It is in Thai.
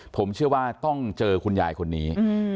ผมเชื่อว่าต้องเจอคุณยายคนนี้